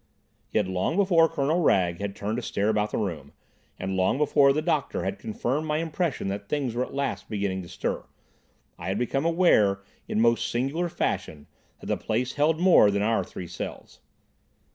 Yet long before Colonel Wragge had turned to stare about the room, and long before the doctor had confirmed my impression that things were at last beginning to stir, I had become aware in most singular fashion that the place held more than our three selves.